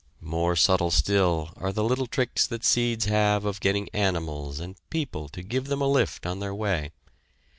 More subtle still are the little tricks that seeds have of getting animals and people to give them a lift on their way.